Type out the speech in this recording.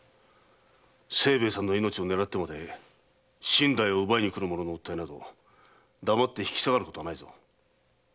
清兵衛さんの命をねらってまで身代を奪いにくる者の訴えなど黙って引き下がることはないぞ。